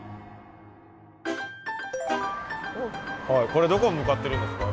これどこへ向かってるんですか？